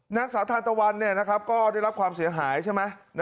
นางสาวทานตะวันก็ได้รับความเสียหายใช่ไหม